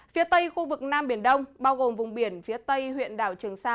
phía tây khu vực nam biển đông bao gồm vùng biển phía tây huyện đảo trường sa